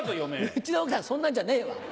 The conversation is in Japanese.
うちの奥さんそんなんじゃねえ。